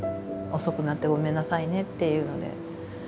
「遅くなってごめんなさいね」っていうので。